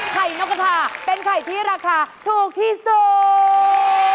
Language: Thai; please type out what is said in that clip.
นกกระทาเป็นไข่ที่ราคาถูกที่สุด